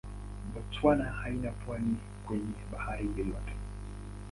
Botswana haina pwani kwenye bahari yoyote.